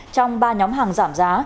trong ba nhóm hàng giảm giá